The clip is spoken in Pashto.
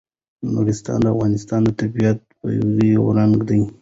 نورستان د افغانستان د طبیعي پدیدو یو رنګ دی.